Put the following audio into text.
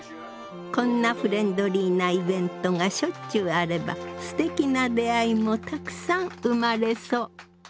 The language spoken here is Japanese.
こんなフレンドリーなイベントがしょっちゅうあればすてきな出会いもたくさん生まれそう。